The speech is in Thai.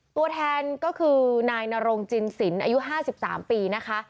ตัวแทนก็คือนายนรงจินสินอายุ๕๓ปีนะคะ